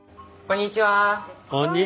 こんにちは。